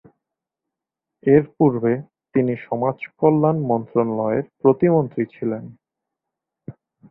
এরপূর্বে তিনি সমাজকল্যাণ মন্ত্রণালয়ের প্রতিমন্ত্রী ছিলেন।